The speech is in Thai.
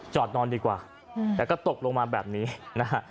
นอนดีกว่าแล้วก็ตกลงมาแบบนี้นะฮะ